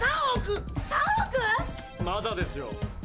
３億⁉まだですよ。